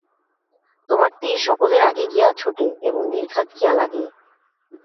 তোমার তীর সকলের আগে গিয়া ছোটে এবং নির্ঘাত গিয়া লাগে।